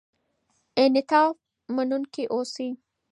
انعطاف منونکي اوسئ.